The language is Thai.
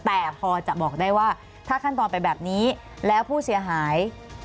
แต่พอจะบอกได้ว่าถ้าขั้นตอนเป็นแบบนี้แล้วผู้เสียหาย